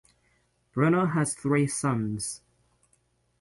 Bruno has three sons.